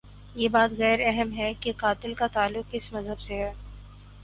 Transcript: یہ بات غیر اہم ہے کہ قاتل کا تعلق کس مذہب سے ہے۔